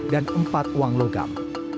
dan empat uang logam